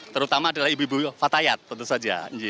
terutama adalah ibu ibu fatayat tentu saja